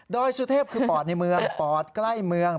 โดยสุเทพคือปอดในเมืองปอดใกล้เมือง